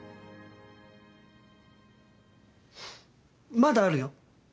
まだあるよ。